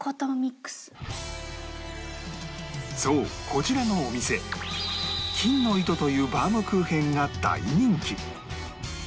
そうこちらのお店「金の糸」というバウムクーヘンが大人気